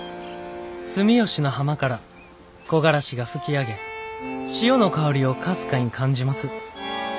住吉の浜から木枯らしが吹き上げ潮の香りをかすかに感じます。